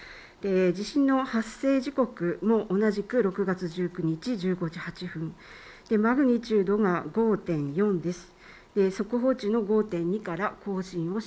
地震の発生時刻、同じく６月１９日１５時８分、マグニチュードが５．４です。